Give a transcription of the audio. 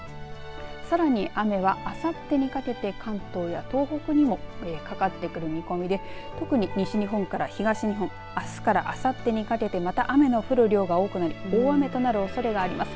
さらに雨はあさってにかけて関東や東北にもかかってくる見込みで特に西日本から東日本あすから、あさってにかけてまた雨の降る量が多くなり大雨となるおそれがあります。